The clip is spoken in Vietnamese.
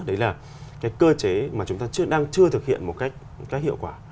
đấy là cái cơ chế mà chúng ta đang chưa thực hiện một cách hiệu quả